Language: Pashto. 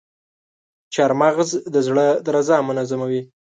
چارمغز د زړه درزا منظموي.